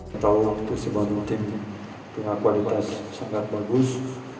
kita tahu persibahan tim ini punya kualitas sangat bagus